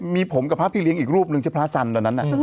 มีผมกับพระพี่เลี้ยงอีกรูปหนึ่งชื่อพระสันตอนนั้น